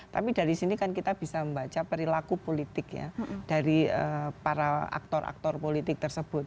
tapi dari sini kan kita bisa membaca perilaku politik ya dari para aktor aktor politik tersebut